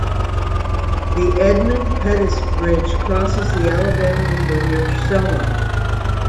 The Edmund Pettus Bridge crosses the Alabama River near Selma.